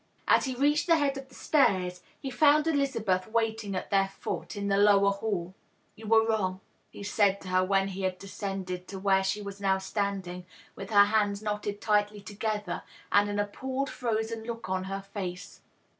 As he reached the head of the stairs he found Elizabeth waitinff at their foot, in the lower hall. " You were wrong,'° he said to her when he had descended to where she was now standing, with her hands knotted tightly together and an appalled, frozen look on her face.